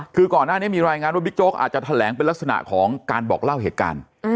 คือก่อนหน้านี้มีรายงานว่าบิ๊กโจ๊กอาจจะแถลงเป็นลักษณะของการบอกเล่าเหตุการณ์